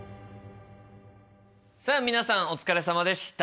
さあ皆さんお疲れさまでした。